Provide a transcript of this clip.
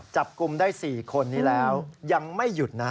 จับกลุ่มได้๔คนนี้แล้วยังไม่หยุดนะ